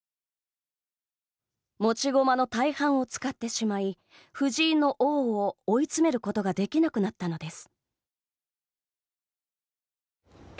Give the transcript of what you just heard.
持ち駒の大半を使ってしまい藤井の王を追い詰めることができなくなったのです。